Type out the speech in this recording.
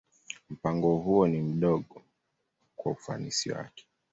Mpango huo ni mdogo kwa ufanisi wake.